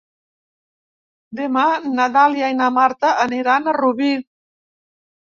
Demà na Dàlia i na Marta aniran a Rubí.